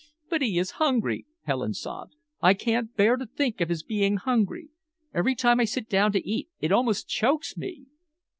"But he is hungry," Helen sobbed. "I can't bear to think of his being hungry. Every time I sit down to eat, it almost chokes me."